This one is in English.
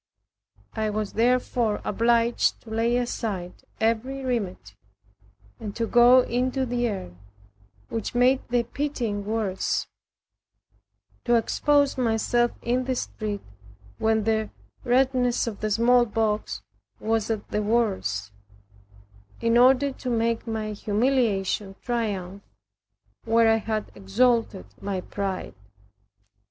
I was therefore obliged to lay aside every remedy, and to go into the air, which made the pitting worse; to expose myself in the street when the redness of the smallpox was at the worst, in order to make my humiliation triumph, where I had exalted my pride.